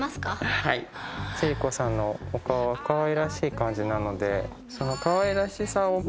はい千里子さんのお顔はかわいらしい感じなのでその。